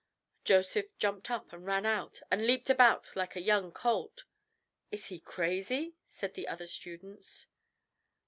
Joseph jumped up, and ran out, and leaped about like a young colt. "Is he crazy?" said the other students.